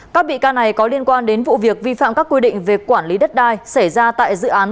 các bị can này có liên quan đến vụ việc vi phạm các quy định về quản lý đất đai xảy ra tại dự án